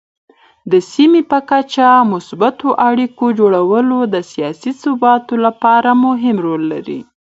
د سیمې په کچه د مثبتو اړیکو جوړول د سیاسي ثبات لپاره مهم دي.